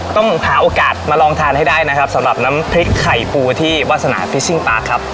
ต้องหาโอกาสมาลองทานให้ได้นะครับสำหรับน้ำพริกไข่ปูที่วาสนาพิซิ่งปาร์คครับ